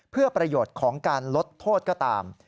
เพื่อประโยชน์ของการลดโทษก็ตาม